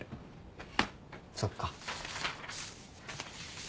そっか。